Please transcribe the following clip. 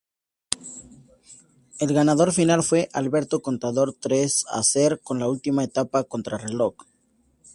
El ganador final fue Alberto Contador tras hacerse con la última etapa contrarreloj.